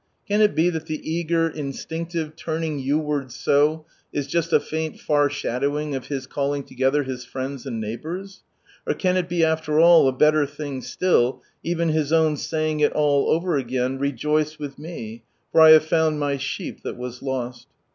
Can it be that the eager, instinctive, turning you wards so, is just a faint far shadowing of His calling together His friends and neighbours? Or can it be after all a better thing still, even His own saying it all over again, *^ Rejoice with Me^ for I have found My sheep that was lost